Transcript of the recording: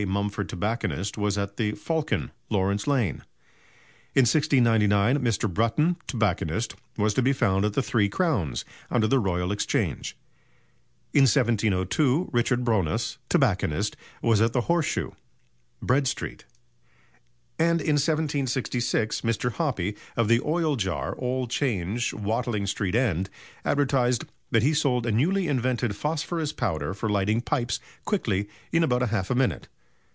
Mumford, tobacconist, was at the "Faulcon," Laurence Lane; in 1699 Mr. Brutton, tobacconist, was to be found at the "Three Crowns," under the Royal Exchange; in 1702 Richard Bronas, tobacconist, was at the "Horse Shoe," Bread Street; and in 1766 Mr. Hoppie, of the "Oil Jar: Old Change, Watling Street End," advertised that he "sold a newly invented phosphorus powder for lighting pipes quickly in about half a minute.